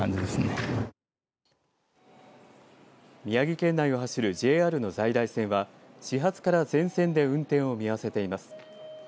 宮城県内を走るＪＲの在来線は始発から全線で運転を見合わせています。